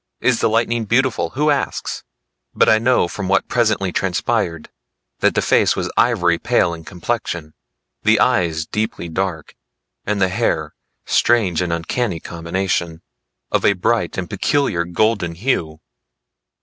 Is the lightning beautiful? Who asks! But I know from what presently transpired, that the face was ivory pale in complexion, the eyes deeply dark, and the hair, strange and uncanny combination, of a bright and peculiar golden hue.